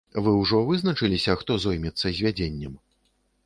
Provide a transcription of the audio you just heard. Вы ўжо вызначыліся, хто зоймецца звядзеннем?